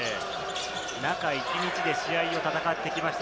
中１日で試合を戦ってきました